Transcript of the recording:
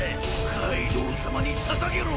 カイドウさまに捧げろ！